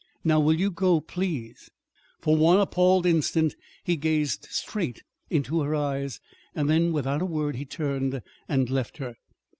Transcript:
Now, will you go, please?" For one appalled instant he gazed straight into her eyes; then without a word he turned and left her.